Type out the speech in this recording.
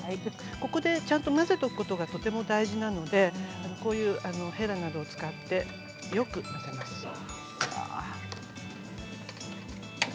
ここでちゃんと混ぜておくことがとても大事なのでへらなどを使ってよく混ぜます。